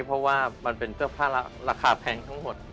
เพราะว่ามันเป็นเสื้อผ้าราคาแพงทั้งหมด